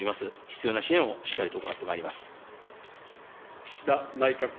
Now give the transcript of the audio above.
必要な支援をしっかりと行ってまいります。